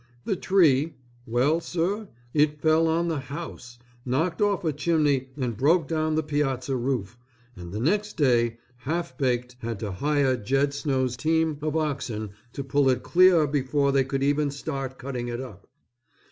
The tree well, Sir, it fell on the house, knocked off a chimney and broke down the piazza roof, and the next day Half Baked had to hire Jed Snow's team of oxen to pull it clear before they could even start cutting it up.